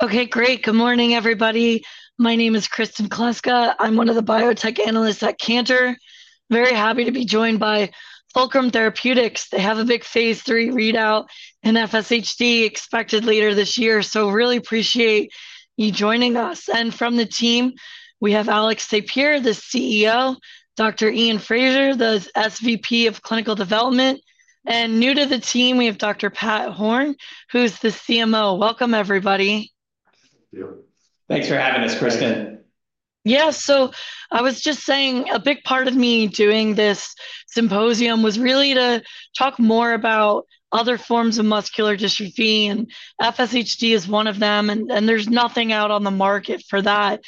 Okay, great. Good morning, everybody. My name is Kristen Kluska. I'm one of the biotech analysts at Cantor. Very happy to be joined by Fulcrum Therapeutics. They have a big Phase III readout in FSHD expected later this year, so really appreciate you joining us. And from the team, we have Alex Sapir, the CEO, Dr. Iain Fraser, the SVP of clinical development. And new to the team, we have Dr. Pat Horn, who's the CMO. Welcome, everybody. Thanks for having us, Kristen. Yeah, so I was just saying a big part of me doing this symposium was really to talk more about other forms of muscular dystrophy, and FSHD is one of them, and there's nothing out on the market for that.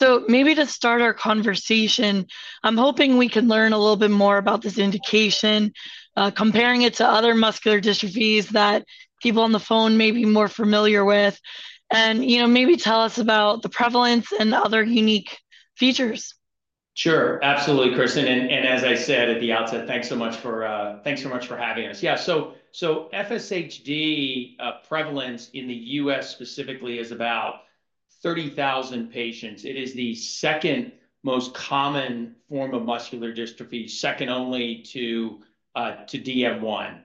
So maybe to start our conversation, I'm hoping we can learn a little bit more about this indication, comparing it to other muscular dystrophies that people on the phone may be more familiar with, and maybe tell us about the prevalence and other unique features. Sure, absolutely, Kristen. And as I said at the outset, thanks so much for having us. Yeah, so FSHD prevalence in the U.S. specifically is about 30,000 patients. It is the second most common form of muscular dystrophy, second only to DM1.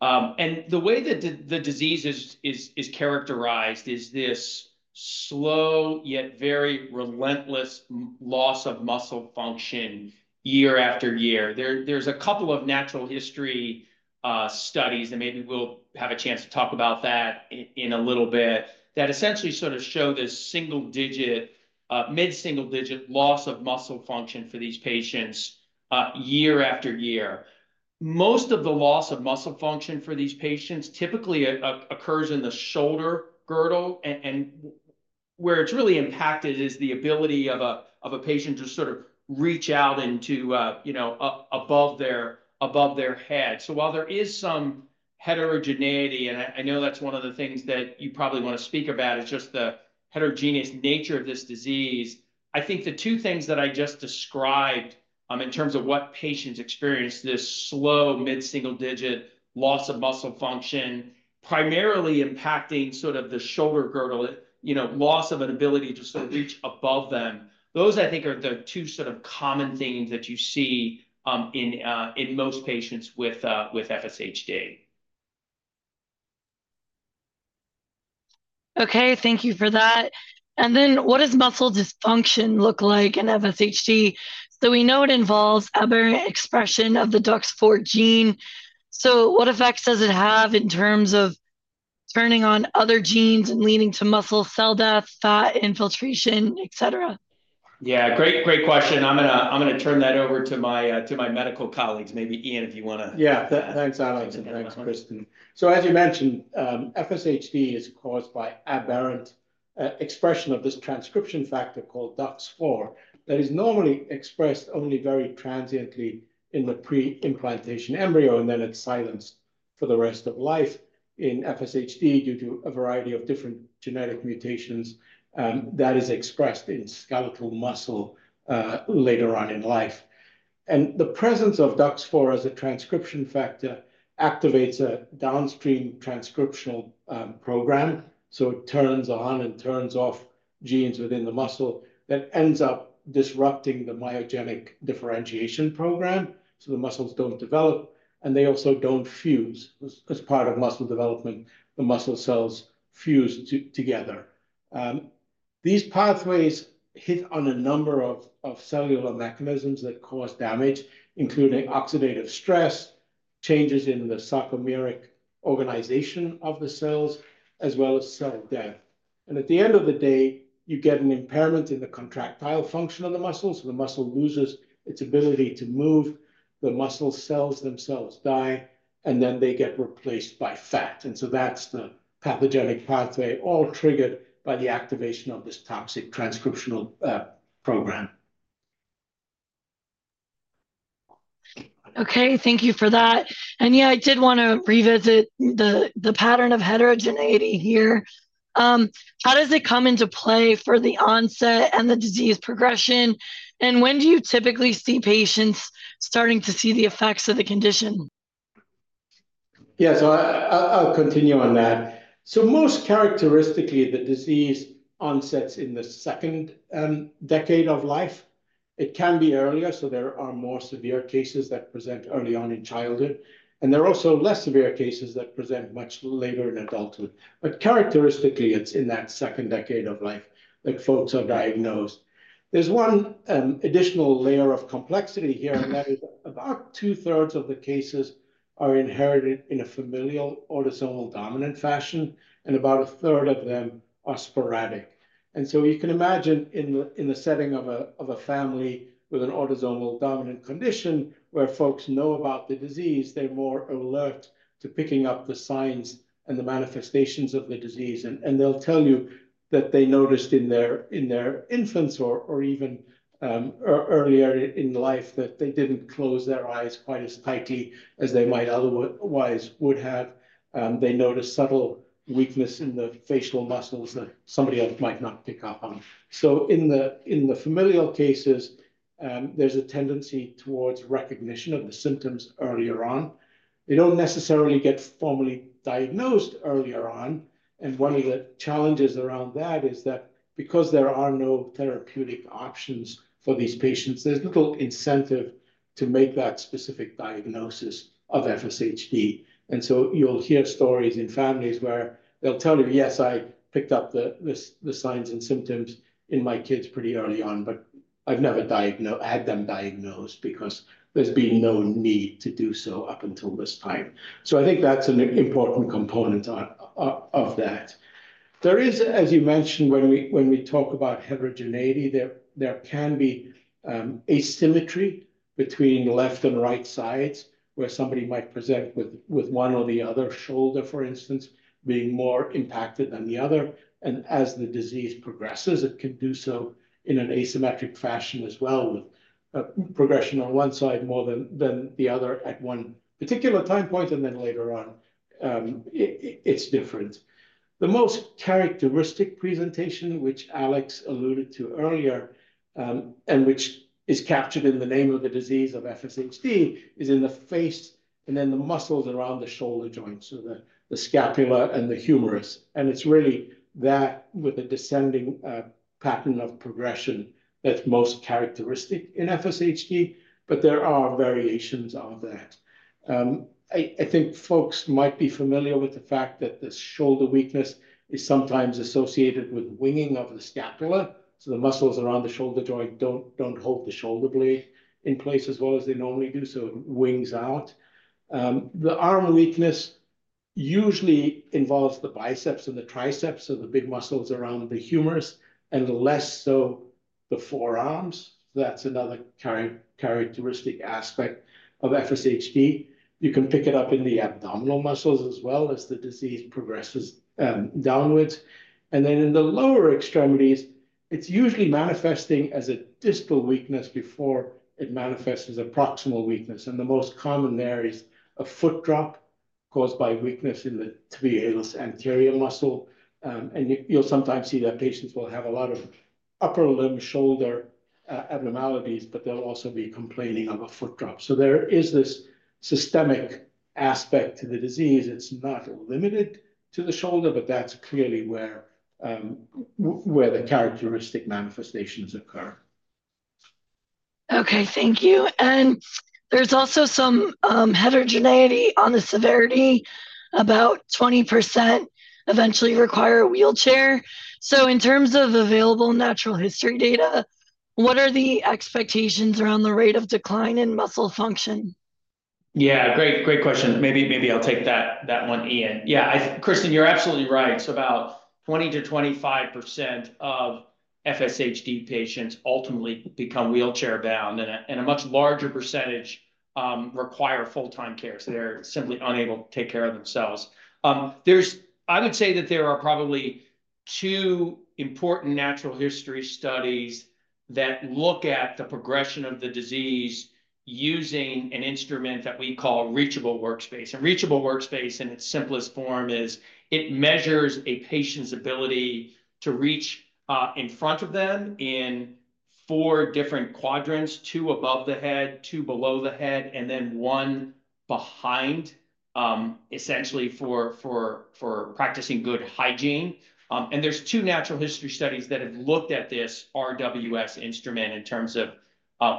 And the way that the disease is characterized is this slow yet very relentless loss of muscle function year after year. There's a couple of natural history studies, and maybe we'll have a chance to talk about that in a little bit, that essentially sort of show this single digit, mid-single digit loss of muscle function for these patients year after year. Most of the loss of muscle function for these patients typically occurs in the shoulder girdle, and where it's really impacted is the ability of a patient to sort of reach out above their head. So while there is some heterogeneity, and I know that's one of the things that you probably want to speak about is just the heterogeneous nature of this disease, I think the two things that I just described in terms of what patients experience, this slow mid-single-digit loss of muscle function, primarily impacting sort of the shoulder girdle, loss of an ability to sort of reach above them, those I think are the two sort of common things that you see in most patients with FSHD. Okay, thank you for that. What does muscle dysfunction look like in FSHD? We know it involves aberrant expression of the DUX4 gene. What effects does it have in terms of turning on other genes and leading to muscle cell death, fat infiltration, etc.? Yeah, great question. I'm going to turn that over to my medical colleagues. Maybe Iain, if you want to. Yeah, thanks, Alex, and thanks, Kristen. So as you mentioned, FSHD is caused by aberrant expression of this transcription factor called DUX4 that is normally expressed only very transiently in the pre-implantation embryo, and then it's silenced for the rest of life. In FSHD, due to a variety of different genetic mutations, that is expressed in skeletal muscle later on in life. And the presence of DUX4 as a transcription factor activates a downstream transcriptional program. So it turns on and turns off genes within the muscle that ends up disrupting the myogenic differentiation program, so the muscles don't develop, and they also don't fuse. As part of muscle development, the muscle cells fuse together. These pathways hit on a number of cellular mechanisms that cause damage, including oxidative stress, changes in the sarcomeric organization of the cells, as well as cell death. At the end of the day, you get an impairment in the contractile function of the muscle, so the muscle loses its ability to move. The muscle cells themselves die, and then they get replaced by fat. And so that's the pathogenic pathway, all triggered by the activation of this toxic transcriptional program. Okay, thank you for that. Yeah, I did want to revisit the pattern of heterogeneity here. How does it come into play for the onset and the disease progression? When do you typically see patients starting to see the effects of the condition? Yeah, so I'll continue on that. So most characteristically, the disease onsets in the second decade of life. It can be earlier, so there are more severe cases that present early on in childhood, and there are also less severe cases that present much later in adulthood. But characteristically, it's in that second decade of life that folks are diagnosed. There's one additional layer of complexity here, and that is about two-thirds of the cases are inherited in a familial autosomal dominant fashion, and about a third of them are sporadic. And so you can imagine in the setting of a family with an autosomal dominant condition, where folks know about the disease, they're more alert to picking up the signs and the manifestations of the disease. And they'll tell you that they noticed in their infants or even earlier in life that they didn't close their eyes quite as tightly as they might otherwise would have. They noticed subtle weakness in the facial muscles that somebody else might not pick up on. So in the familial cases, there's a tendency towards recognition of the symptoms earlier on. They don't necessarily get formally diagnosed earlier on. And one of the challenges around that is that because there are no therapeutic options for these patients, there's little incentive to make that specific diagnosis of FSHD. And so you'll hear stories in families where they'll tell you, "Yes, I picked up the signs and symptoms in my kids pretty early on, but I've never had them diagnosed because there's been no need to do so up until this time." So I think that's an important component of that. There is, as you mentioned, when we talk about heterogeneity, there can be asymmetry between left and right sides, where somebody might present with one or the other shoulder, for instance, being more impacted than the other. As the disease progresses, it can do so in an asymmetric fashion as well, with progression on one side more than the other at one particular time point, and then later on it's different. The most characteristic presentation, which Alex alluded to earlier, and which is captured in the name of the disease of FSHD, is in the face and then the muscles around the shoulder joint, so the scapula and the humerus. It's really that with a descending pattern of progression that's most characteristic in FSHD, but there are variations of that. I think folks might be familiar with the fact that this shoulder weakness is sometimes associated with winging of the scapula. The muscles around the shoulder joint don't hold the shoulder blade in place as well as they normally do, so it wings out. The arm weakness usually involves the biceps and the triceps, so the big muscles around the humerus, and less so the forearms. That's another characteristic aspect of FSHD. You can pick it up in the abdominal muscles as well as the disease progresses downwards. Then in the lower extremities, it's usually manifesting as a distal weakness before it manifests as a proximal weakness. The most common there is a foot drop caused by weakness in the tibialis anterior muscle. You'll sometimes see that patients will have a lot of upper limb shoulder abnormalities, but they'll also be complaining of a foot drop. There is this systemic aspect to the disease. It's not limited to the shoulder, but that's clearly where the characteristic manifestations occur. Okay, thank you. And there's also some heterogeneity on the severity. About 20% eventually require a wheelchair. So in terms of available natural history data, what are the expectations around the rate of decline in muscle function? Yeah, great question. Maybe I'll take that one, Iain. Yeah, Kristen, you're absolutely right. So about 20%-25% of FSHD patients ultimately become wheelchair-bound, and a much larger percentage require full-time care. So they're simply unable to take care of themselves. I would say that there are probably two important natural history studies that look at the progression of the disease using an instrument that we call Reachable Workspace. Reachable Workspace, in its simplest form, is it measures a patient's ability to reach in front of them in four different quadrants: two above the head, two below the head, and then one behind, essentially for practicing good hygiene. There's two natural history studies that have looked at this RWS instrument in terms of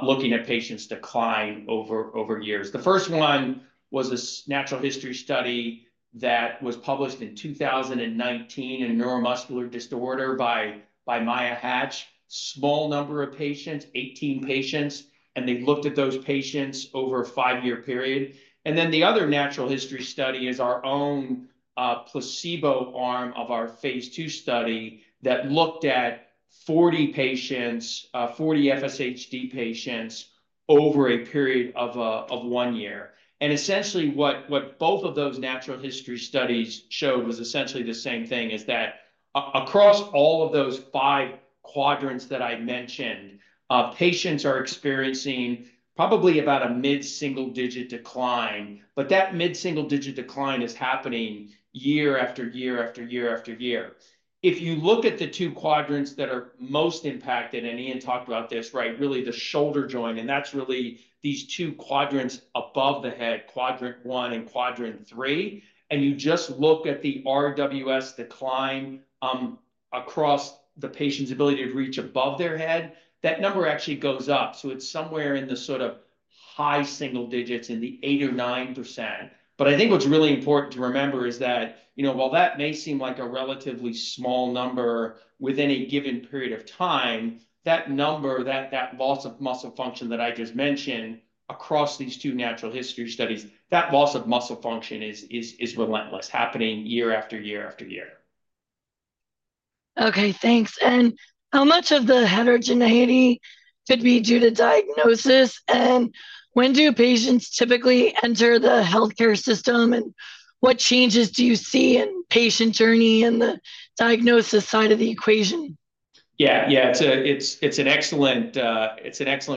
looking at patients' decline over years. The first one was a natural history study that was published in 2019 in Neuromuscular Disorders by Maya Hatch, a small number of patients, 18 patients, and they looked at those patients over a five-year period. And then the other natural history study is our own placebo arm of our Phase II study that looked at 40 FSHD patients over a period of one year. And essentially, what both of those natural history studies showed was essentially the same thing, is that across all of those five quadrants that I mentioned, patients are experiencing probably about a mid-single digit decline, but that mid-single digit decline is happening year after year after year after year. If you look at the two quadrants that are most impacted, and Iain talked about this, right, really the shoulder joint, and that's really these two quadrants above the head, quadrant one and quadrant three, and you just look at the RWS decline across the patient's ability to reach above their head, that number actually goes up. So it's somewhere in the sort of high single digits, in the 8% or 9%. But I think what's really important to remember is that, you know, while that may seem like a relatively small number within a given period of time, that number, that loss of muscle function that I just mentioned across these two natural history studies, that loss of muscle function is relentless, happening year after year after year. Okay, thanks. How much of the heterogeneity could be due to diagnosis? When do patients typically enter the healthcare system? What changes do you see in patient journey and the diagnosis side of the equation? Yeah, yeah, it's an excellent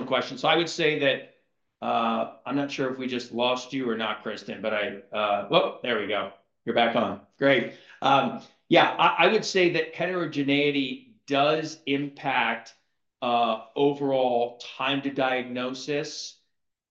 question. So I would say that I'm not sure if we just lost you or not, Kristen, but I, whoop, there we go. You're back on. Great. Yeah, I would say that heterogeneity does impact overall time to diagnosis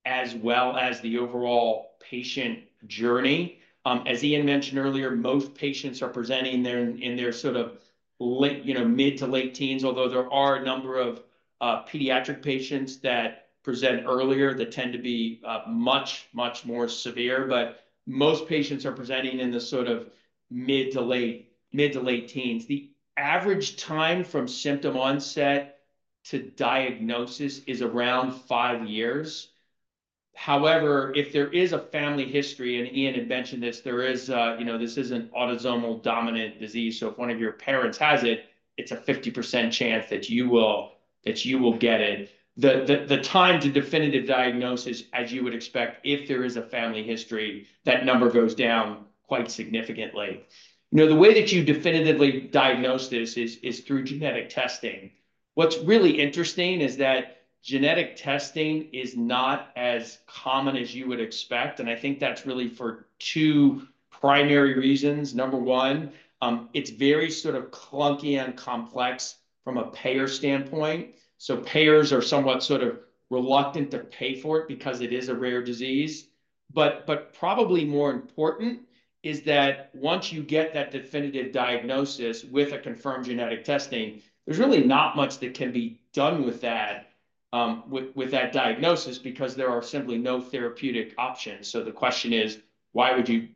as well as the overall patient journey. As Iain mentioned earlier, most patients are presenting in their sort of mid to late teens, although there are a number of pediatric patients that present earlier that tend to be much, much more severe. But most patients are presenting in the sort of mid to late teens. The average time from symptom onset to diagnosis is around five years. However, if there is a family history, and Iain had mentioned this, there is, you know, this is an autosomal dominant disease. So if one of your parents has it, it's a 50% chance that you will get it. The time to definitive diagnosis, as you would expect, if there is a family history, that number goes down quite significantly. You know, the way that you definitively diagnose this is through genetic testing. What's really interesting is that genetic testing is not as common as you would expect. I think that's really for two primary reasons. Number one, it's very sort of clunky and complex from a payer standpoint. Payers are somewhat sort of reluctant to pay for it because it is a rare disease. Probably more important is that once you get that definitive diagnosis with a confirmed genetic testing, there's really not much that can be done with that diagnosis because there are simply no therapeutic options. The question is, why would you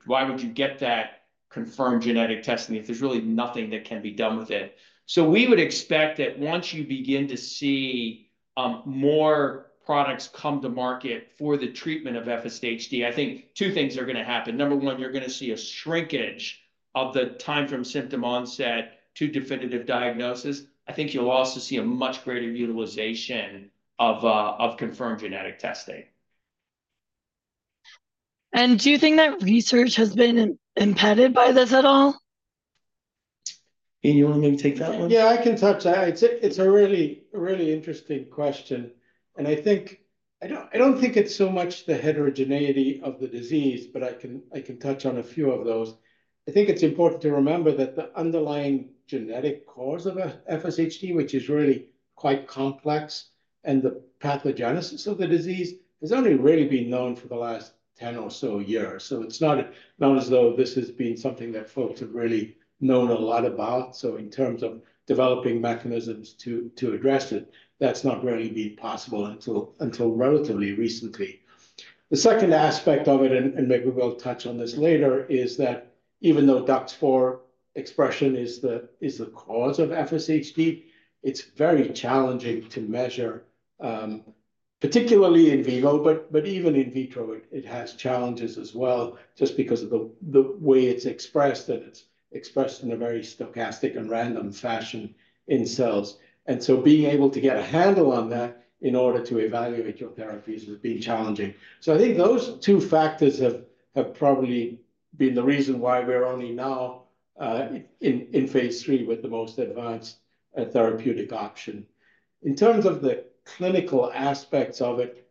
get that confirmed genetic testing if there's really nothing that can be done with it? We would expect that once you begin to see more products come to market for the treatment of FSHD, I think two things are going to happen. Number one, you're going to see a shrinkage of the time from symptom onset to definitive diagnosis. I think you'll also see a much greater utilization of confirmed genetic testing. Do you think that research has been impeded by this at all? Iain, you want to maybe take that one? Yeah, I can touch. It's a really interesting question. I don't think it's so much the heterogeneity of the disease, but I can touch on a few of those. I think it's important to remember that the underlying genetic cause of FSHD, which is really quite complex, and the pathogenesis of the disease has only really been known for the last 10 or so years. So it's not known as though this has been something that folks have really known a lot about. So in terms of developing mechanisms to address it, that's not really been possible until relatively recently. The second aspect of it, and maybe we'll touch on this later, is that even though DUX4 expression is the cause of FSHD, it's very challenging to measure, particularly in vivo, but even in vitro, it has challenges as well, just because of the way it's expressed and it's expressed in a very stochastic and random fashion in cells. And so being able to get a handle on that in order to evaluate your therapies has been challenging. So I think those two factors have probably been the reason why we're only now in Phase III with the most advanced therapeutic option. In terms of the clinical aspects of it,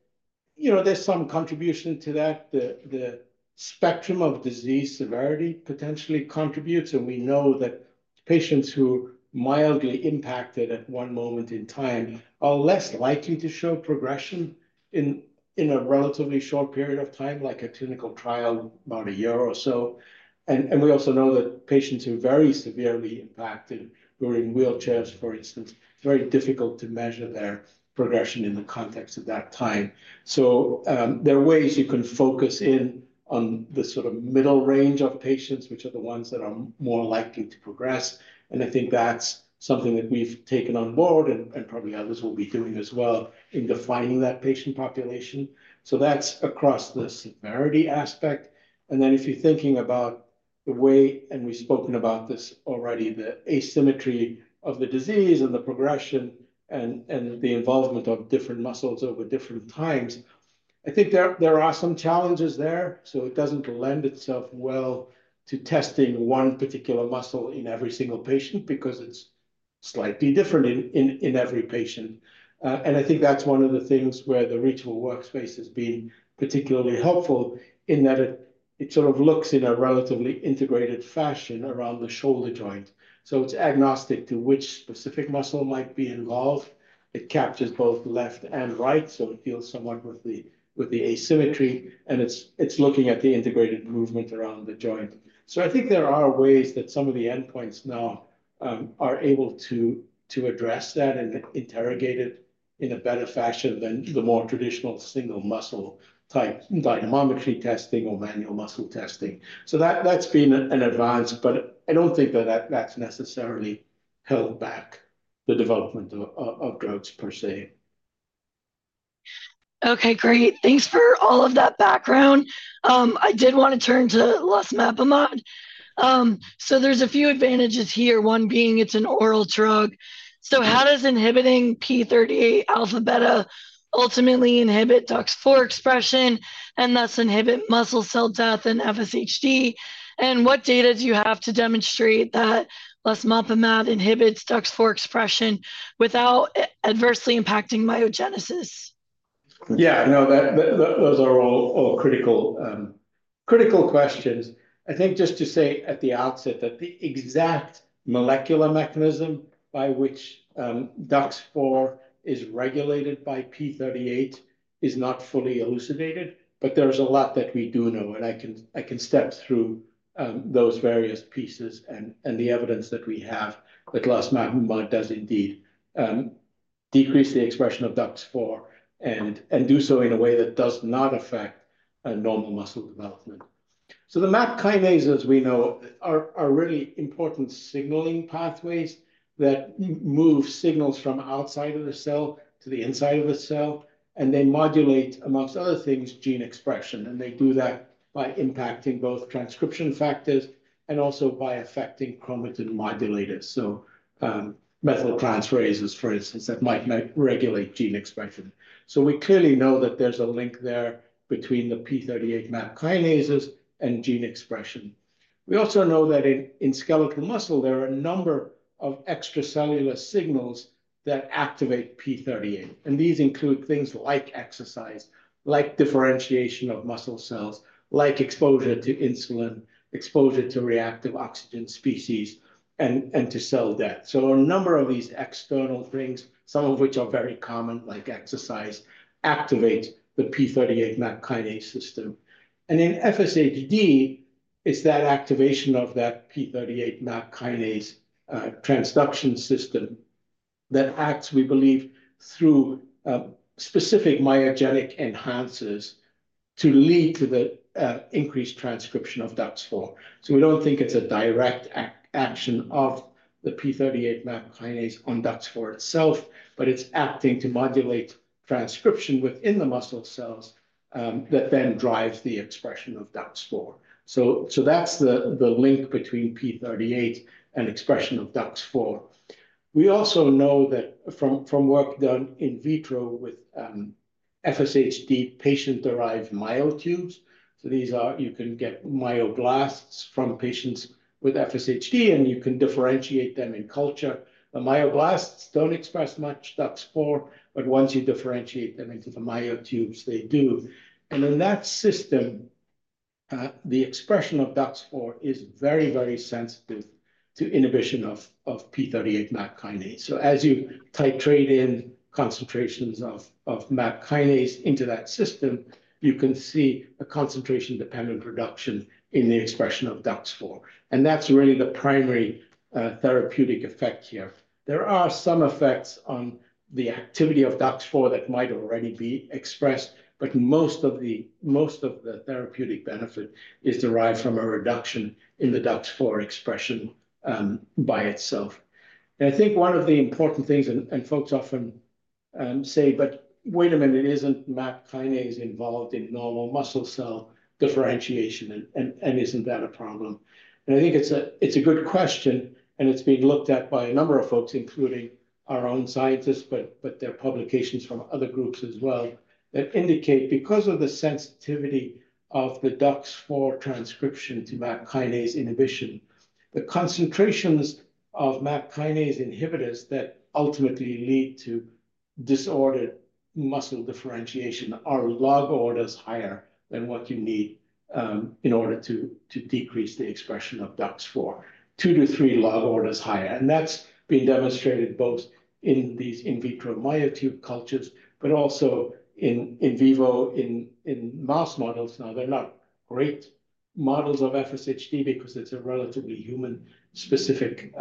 you know, there's some contribution to that. The spectrum of disease severity potentially contributes. We know that patients who are mildly impacted at one moment in time are less likely to show progression in a relatively short period of time, like a clinical trial about a year or so. We also know that patients who are very severely impacted, who are in wheelchairs, for instance, it's very difficult to measure their progression in the context of that time. There are ways you can focus in on the sort of middle range of patients, which are the ones that are more likely to progress. I think that's something that we've taken on board, and probably others will be doing as well, in defining that patient population. That's across the severity aspect. And then if you're thinking about the way (and we've spoken about this already) the asymmetry of the disease and the progression and the involvement of different muscles over different times, I think there are some challenges there. So it doesn't lend itself well to testing one particular muscle in every single patient because it's slightly different in every patient. And I think that's one of the things where the Reachable Workspace has been particularly helpful, in that it sort of looks in a relatively integrated fashion around the shoulder joint. So it's agnostic to which specific muscle might be involved. It captures both left and right, so it deals somewhat with the asymmetry, and it's looking at the integrated movement around the joint. I think there are ways that some of the endpoints now are able to address that and interrogate it in a better fashion than the more traditional single muscle type dynamometry testing or manual muscle testing. That's been an advance, but I don't think that that's necessarily held back the development of drugs, per se. Okay, great. Thanks for all of that background. I did want to turn to losmapimod. So there's a few advantages here, one being it's an oral drug. So how does inhibiting p38 alpha beta ultimately inhibit DUX4 expression, and thus inhibit muscle cell death and FSHD? And what data do you have to demonstrate that losmapimod inhibits DUX4 expression without adversely impacting myogenesis? Yeah, no, those are all critical questions. I think just to say at the outset that the exact molecular mechanism by which DUX4 is regulated by p38 is not fully elucidated, but there's a lot that we do know. And I can step through those various pieces and the evidence that we have that losmapimod does indeed decrease the expression of DUX4 and do so in a way that does not affect normal muscle development. So the MAP kinases, as we know, are really important signaling pathways that move signals from outside of the cell to the inside of the cell, and they modulate, among other things, gene expression. And they do that by impacting both transcription factors and also by affecting chromatin modulators, so methyltransferases, for instance, that might regulate gene expression. So we clearly know that there's a link there between the p38 MAP kinases and gene expression. We also know that in skeletal muscle, there are a number of extracellular signals that activate p38, and these include things like exercise, like differentiation of muscle cells, like exposure to insulin, exposure to reactive oxygen species, and to cell death. So a number of these external things, some of which are very common, like exercise, activate the p38 MAP kinase system. And in FSHD, it's that activation of that p38 MAP kinase transduction system that acts, we believe, through specific myogenic enhancers to lead to the increased transcription of DUX4. So we don't think it's a direct action of the p38 MAP kinase on DUX4 itself, but it's acting to modulate transcription within the muscle cells that then drives the expression of DUX4. So that's the link between p38 and expression of DUX4. We also know that from work done in vitro with FSHD patient-derived myotubes, so these are, you can get myoblasts from patients with FSHD, and you can differentiate them in culture. The myoblasts don't express much DUX4, but once you differentiate them into the myotubes, they do. In that system, the expression of DUX4 is very, very sensitive to inhibition of p38 MAP kinases. As you titrate in concentrations of MAP kinases into that system, you can see a concentration-dependent reduction in the expression of DUX4. That's really the primary therapeutic effect here. There are some effects on the activity of DUX4 that might already be expressed, but most of the therapeutic benefit is derived from a reduction in the DUX4 expression by itself. I think one of the important things, and folks often say, but wait a minute, isn't MAP kinases involved in normal muscle cell differentiation, and isn't that a problem? And I think it's a good question, and it's been looked at by a number of folks, including our own scientists, but there are publications from other groups as well, that indicate, because of the sensitivity of the DUX4 transcription to MAP kinase inhibition, the concentrations of MAP kinases inhibitors that ultimately lead to disordered muscle differentiation are log orders higher than what you need in order to decrease the expression of DUX4, 2-3 log orders higher. And that's been demonstrated both in these in vitro myotube cultures, but also in vivo in mouse models. Now, they're not great models of FSHD because it's a relatively human-specific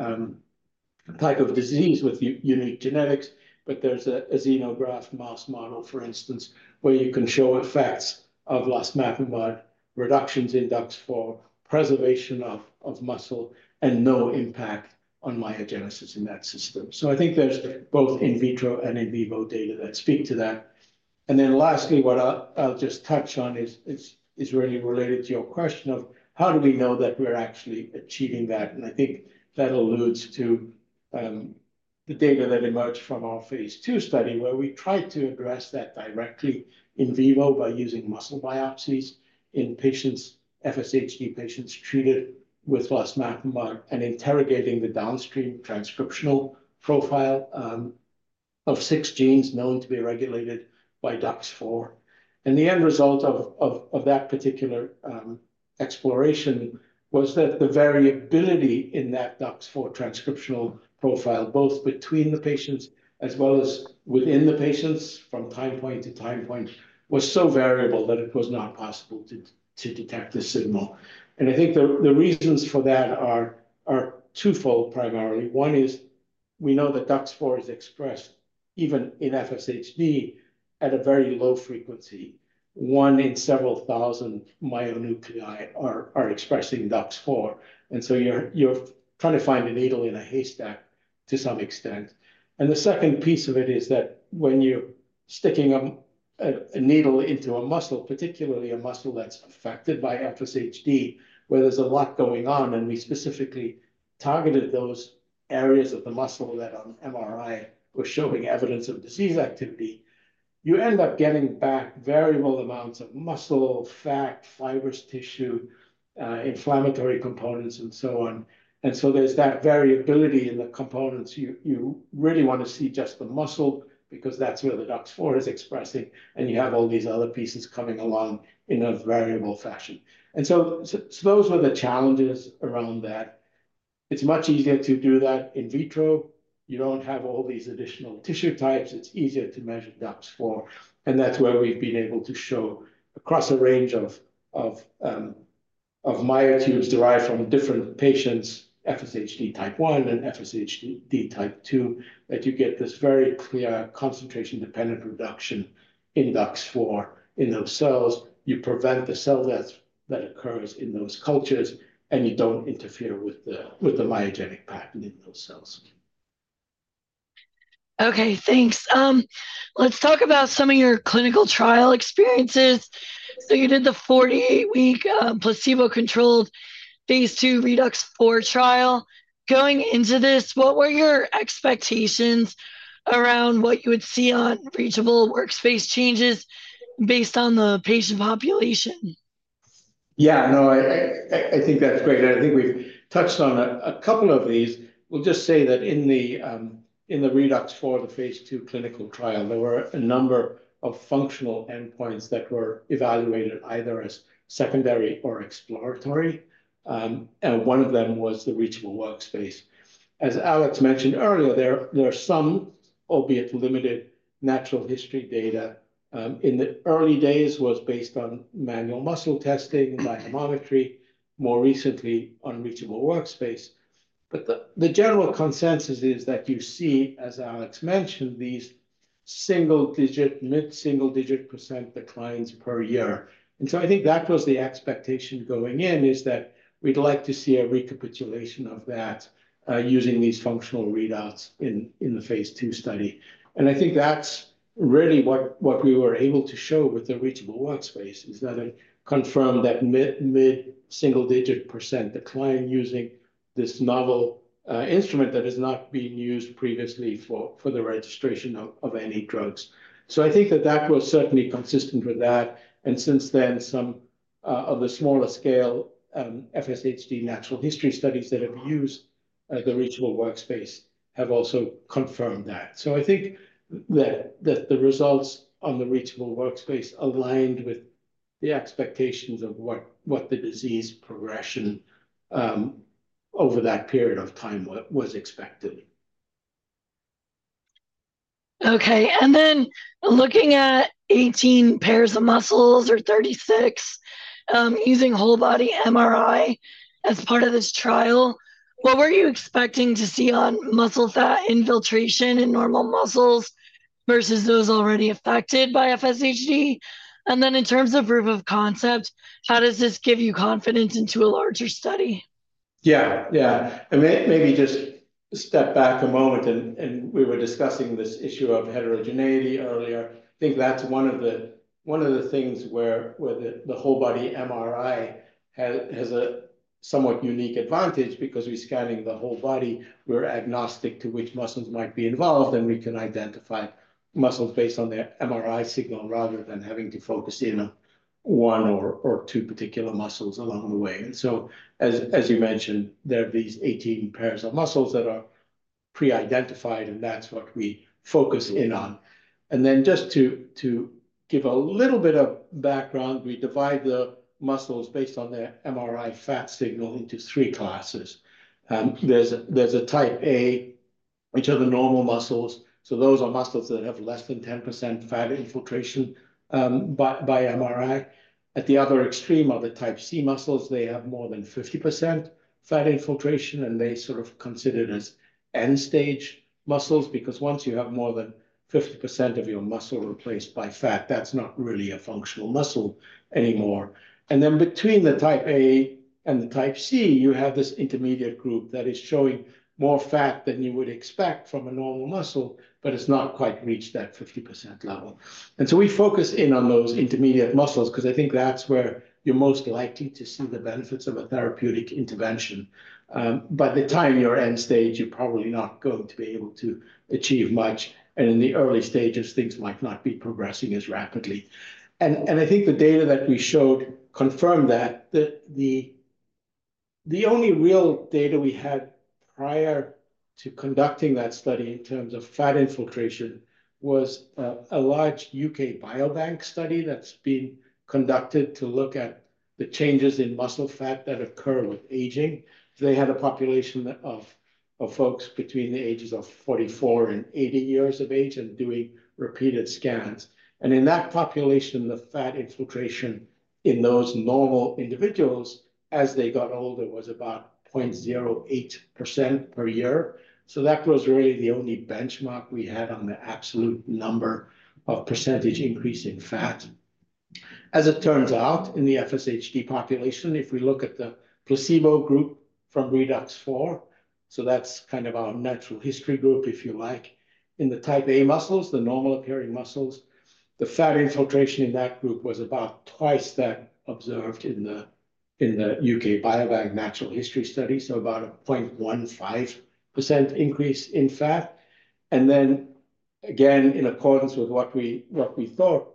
type of disease with unique genetics. But there's a xenograft mouse model, for instance, where you can show effects of losmapimod reductions in DUX4, preservation of muscle, and no impact on myogenesis in that system. So I think there's both in vitro and in vivo data that speak to that. And then lastly, what I'll just touch on is really related to your question of how do we know that we're actually achieving that? And I think that alludes to the data that emerged from our Phase II study, where we tried to address that directly in vivo by using muscle biopsies in FSHD patients treated with losmapimod and interrogating the downstream transcriptional profile of six genes known to be regulated by DUX4. The end result of that particular exploration was that the variability in that DUX4 transcriptional profile, both between the patients as well as within the patients from time point to time point, was so variable that it was not possible to detect the signal. I think the reasons for that are twofold, primarily. One is we know that DUX4 is expressed even in FSHD at a very low frequency. One in several thousand myonuclei are expressing DUX4. You're trying to find a needle in a haystack to some extent. The second piece of it is that when you're sticking a needle into a muscle, particularly a muscle that's affected by FSHD, where there's a lot going on, and we specifically targeted those areas of the muscle that on MRI were showing evidence of disease activity, you end up getting back variable amounts of muscle, fat, fibrous tissue, inflammatory components, and so on. And so there's that variability in the components. You really want to see just the muscle because that's where the DUX4 is expressing, and you have all these other pieces coming along in a variable fashion. And so those were the challenges around that. It's much easier to do that in vitro. You don't have all these additional tissue types. It's easier to measure DUX4. That's where we've been able to show across a range of myotubes derived from different patients, FSHD type one and FSHD type two, that you get this very clear concentration-dependent reduction in DUX4 in those cells. You prevent the cell death that occurs in those cultures, and you don't interfere with the myogenic pattern in those cells. Okay, thanks. Let's talk about some of your clinical trial experiences. So you did the 48-week placebo-controlled Phase II ReDUX4 trial. Going into this, what were your expectations around what you would see on Reachable Workspace changes based on the patient population? Yeah, no, I think that's great. I think we've touched on a couple of these. We'll just say that in the ReDUX4, the Phase II clinical trial, there were a number of functional endpoints that were evaluated either as secondary or exploratory. And one of them was the Reachable Workspace. As Alex mentioned earlier, there are some, albeit limited, natural history data. In the early days, it was based on manual muscle testing, dynamometry, more recently on Reachable Workspace. But the general consensus is that you see, as Alex mentioned, these single-digit, mid-single-digit % declines per year. And so I think that was the expectation going in, is that we'd like to see a recapitulation of that using these functional readouts in the Phase II study. And I think that's really what we were able to show with the Reachable Workspace, is that it confirmed that mid-single-digit % decline using this novel instrument that has not been used previously for the registration of any drugs. So I think that that was certainly consistent with that. And since then, some of the smaller scale FSHD natural history studies that have used the Reachable Workspace have also confirmed that. So I think that the results on the Reachable Workspace aligned with the expectations of what the disease progression over that period of time was expected. Okay, and then looking at 18 pairs of muscles, or 36, using whole body MRI as part of this trial, what were you expecting to see on muscle fat infiltration in normal muscles versus those already affected by FSHD? And then in terms of proof of concept, how does this give you confidence into a larger study? Yeah, yeah, and maybe just step back a moment. We were discussing this issue of heterogeneity earlier. I think that's one of the things where the whole body MRI has a somewhat unique advantage because we're scanning the whole body. We're agnostic to which muscles might be involved, and we can identify muscles based on their MRI signal rather than having to focus in on one or two particular muscles along the way. So, as you mentioned, there are these 18 pairs of muscles that are pre-identified, and that's what we focus in on. Then just to give a little bit of background, we divide the muscles based on their MRI fat signal into three classes. There's a type A, which are the normal muscles. So those are muscles that have less than 10% fat infiltration by MRI. At the other extreme are the type C muscles. They have more than 50% fat infiltration, and they're sort of considered as end-stage muscles because once you have more than 50% of your muscle replaced by fat, that's not really a functional muscle anymore. And then between the type A and the type C, you have this intermediate group that is showing more fat than you would expect from a normal muscle, but it's not quite reached that 50% level. And so we focus in on those intermediate muscles because I think that's where you're most likely to see the benefits of a therapeutic intervention. By the time you're end-stage, you're probably not going to be able to achieve much, and in the early stages, things might not be progressing as rapidly. And I think the data that we showed confirmed that. The only real data we had prior to conducting that study in terms of fat infiltration was a large U.K. Biobank study that's been conducted to look at the changes in muscle fat that occur with aging. So they had a population of folks between the ages of 44 and 80 years of age and doing repeated scans. And in that population, the fat infiltration in those normal individuals, as they got older, was about 0.08% per year. So that was really the only benchmark we had on the absolute number of percentage increase in fat. As it turns out, in the FSHD population, if we look at the placebo group from ReDUX4, so that's kind of our natural history group, if you like, in the type A muscles, the normal-appearing muscles, the fat infiltration in that group was about twice that observed in the UK Biobank natural history study, so about a 0.15% increase in fat. And then again, in accordance with what we thought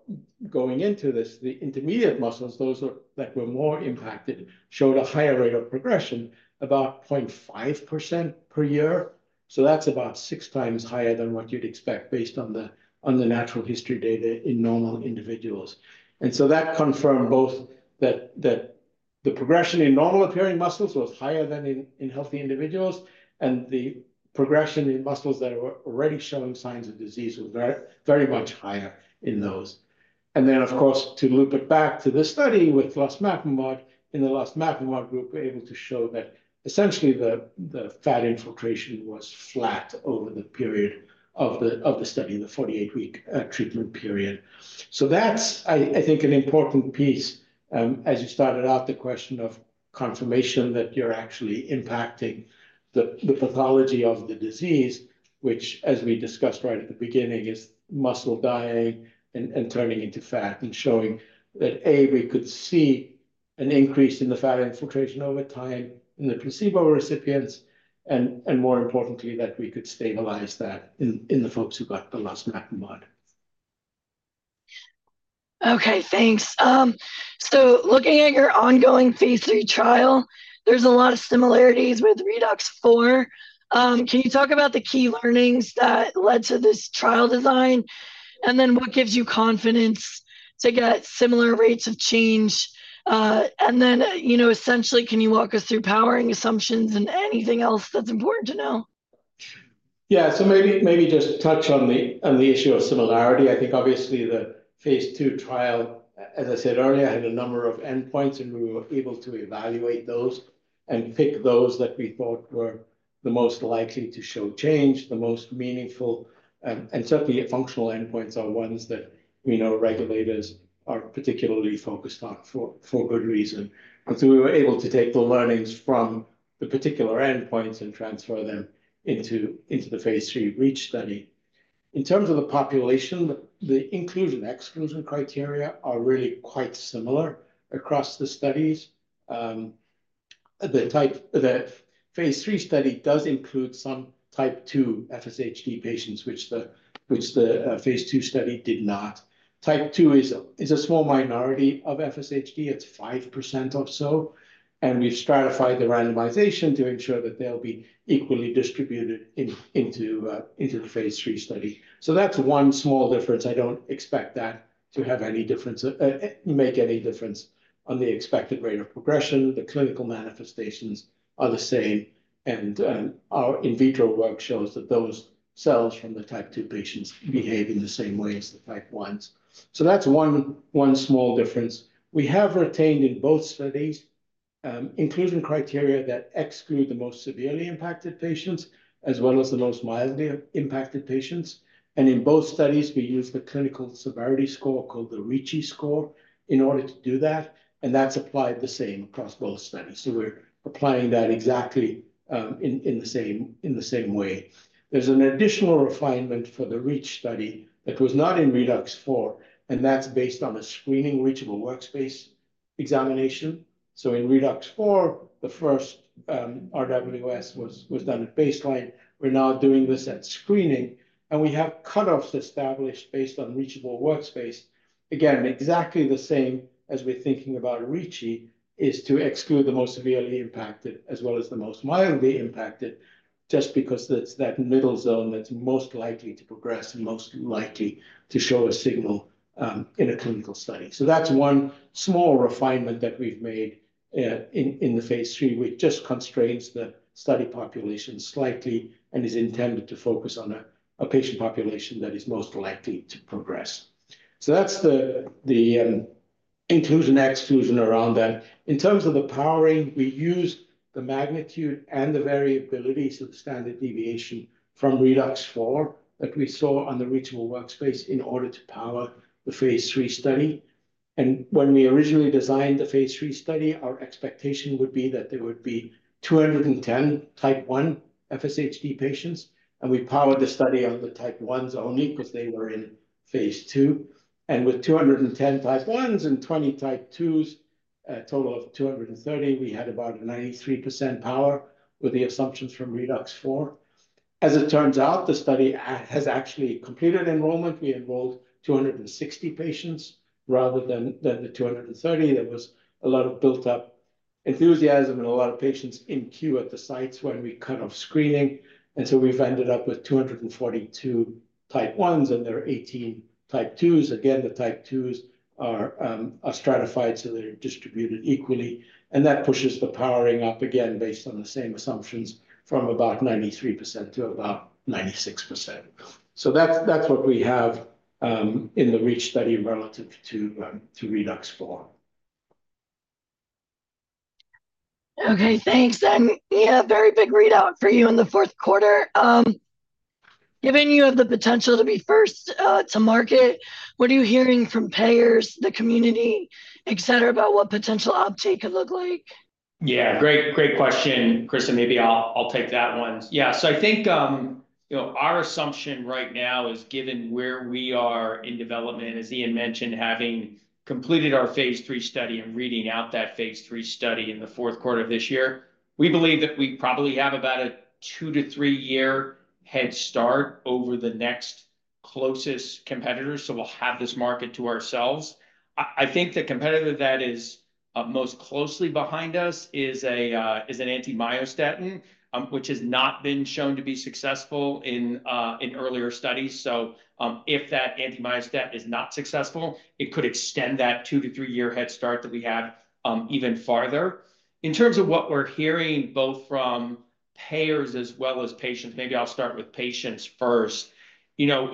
going into this, the intermediate muscles, those that were more impacted, showed a higher rate of progression, about 0.5% per year. So that's about six times higher than what you'd expect based on the natural history data in normal individuals. And so that confirmed both that the progression in normal-appearing muscles was higher than in healthy individuals, and the progression in muscles that were already showing signs of disease was very much higher in those. And then, of course, to loop it back to this study with losmapimod, in the losmapimod group, we're able to show that essentially the fat infiltration was flat over the period of the study, the 48-week treatment period. So that's, I think, an important piece, as you started out, the question of confirmation that you're actually impacting the pathology of the disease, which, as we discussed right at the beginning, is muscle dying and turning into fat and showing that, A, we could see an increase in the fat infiltration over time in the placebo recipients, and more importantly, that we could stabilize that in the folks who got the losmapimod. Okay, thanks. So looking at your ongoing Phase III trial, there's a lot of similarities with ReDUX4. Can you talk about the key learnings that led to this trial design, and then what gives you confidence to get similar rates of change? And then, you know, essentially, can you walk us through powering assumptions and anything else that's important to know? Yeah, so maybe just touch on the issue of similarity. I think obviously the Phase II trial, as I said earlier, had a number of endpoints, and we were able to evaluate those and pick those that we thought were the most likely to show change, the most meaningful. And certainly, functional endpoints are ones that we know regulators are particularly focused on for good reason. And so we were able to take the learnings from the particular endpoints and transfer them into the Phase III REACH study. In terms of the population, the inclusion/exclusion criteria are really quite similar across the studies. The Phase III study does include some type 2 FSHD patients, which the Phase II study did not. Type 2 is a small minority of FSHD. It's 5% or so. And we've stratified the randomization to ensure that they'll be equally distributed into the Phase III study. So that's one small difference. I don't expect that to have any difference, make any difference on the expected rate of progression. The clinical manifestations are the same, and our in vitro work shows that those cells from the type two patients behave in the same way as the type ones. So that's one small difference. We have retained in both studies inclusion criteria that exclude the most severely impacted patients, as well as the most mildly impacted patients. And in both studies, we use the clinical severity score called the Ricci score in order to do that, and that's applied the same across both studies. So we're applying that exactly in the same way. There's an additional refinement for the REACH study that was not in ReDUX4, and that's based on a screening Reachable Workspace examination. So in ReDUX4, the first RWS was done at baseline. We're now doing this at screening, and we have cutoffs established based on Reachable Workspace. Again, exactly the same as we're thinking about REACH, is to exclude the most severely impacted as well as the most mildly impacted, just because that's that middle zone that's most likely to progress and most likely to show a signal in a clinical study. So that's one small refinement that we've made in the Phase III, which just constrains the study population slightly and is intended to focus on a patient population that is most likely to progress. So that's the inclusion/exclusion around that. In terms of the powering, we used the magnitude and the variability, so the standard deviation from ReDUX4 that we saw on the Reachable Workspace in order to power the Phase III study. When we originally designed the Phase III study, our expectation would be that there would be 210 type 1 FSHD patients, and we powered the study on the type 1s only because they were in Phase II. With 210 type 1s and 20 type 2s, a total of 230, we had about a 93% power with the assumptions from ReDUX4. As it turns out, the study has actually completed enrollment. We enrolled 260 patients rather than the 230. There was a lot of built-up enthusiasm and a lot of patients in queue at the sites when we cut off screening. So we've ended up with 242 type 1s, and there are 18 type 2s. Again, the type 2s are stratified, so they're distributed equally, and that pushes the powering up again based on the same assumptions from about 93% to about 96%. So that's what we have in the REACH study relative to ReDUX4. Okay, thanks. Yeah, very big readout for you in the fourth quarter. Given you have the potential to be first to market, what are you hearing from payers, the community, etc., about what potential uptake could look like? Yeah, great question, Chris. And maybe I'll take that one. Yeah, so I think our assumption right now is, given where we are in development, as Iain mentioned, having completed our Phase III study and reading out that Phase III study in the fourth quarter of this year, we believe that we probably have about a 2-3-year head start over the next closest competitor, so we'll have this market to ourselves. I think the competitor that is most closely behind us is an anti-myostatin, which has not been shown to be successful in earlier studies. So if that anti-myostatin is not successful, it could extend that 2-3-year head start that we have even farther. In terms of what we're hearing both from payers as well as patients, maybe I'll start with patients first. You know,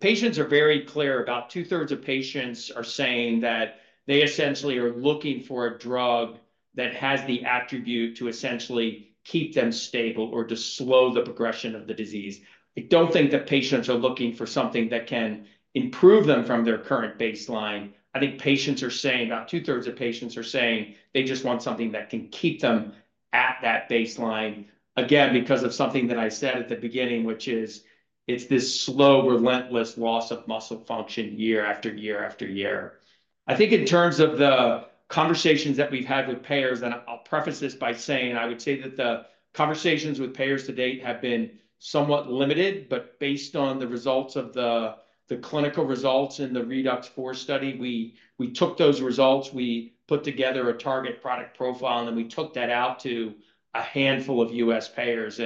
patients are very clear. About two-thirds of patients are saying that they essentially are looking for a drug that has the attribute to essentially keep them stable or to slow the progression of the disease. I don't think that patients are looking for something that can improve them from their current baseline. I think patients are saying, about two-thirds of patients are saying they just want something that can keep them at that baseline, again, because of something that I said at the beginning, which is it's this slow, relentless loss of muscle function year after year after year. I think in terms of the conversations that we've had with payers, and I'll preface this by saying, I would say that the conversations with payers to date have been somewhat limited. Based on the results of the clinical results in the ReDUX4 study, we took those results, we put together a target product profile, and then we took that out to a handful of U.S. payers.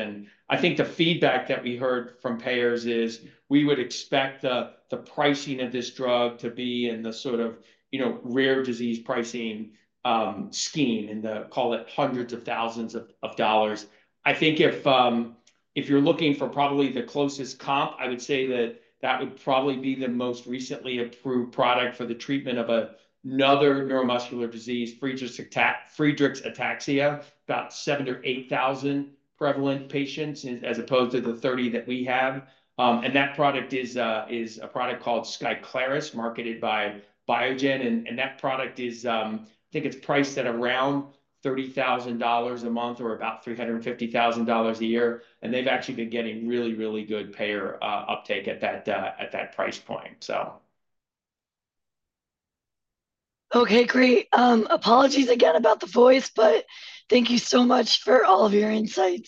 I think the feedback that we heard from payers is we would expect the pricing of this drug to be in the sort of rare disease pricing scheme, and call it hundreds of thousands of dollars. I think if you're looking for probably the closest comp, I would say that that would probably be the most recently approved product for the treatment of another neuromuscular disease, Friedreich's ataxia, about 7,000 or 8,000 prevalent patients as opposed to the 30,000 that we have. That product is a product called Skyclarys, marketed by Biogen. That product is, I think it's priced at around $30,000 a month or about $350,000 a year. They've actually been getting really, really good payer uptake at that price point. Okay, great. Apologies again about the voice, but thank you so much for all of your insights.